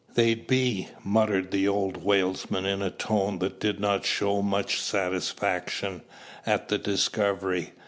"They be," muttered the old whalesman, in a tone that did not show much satisfaction at the discovery.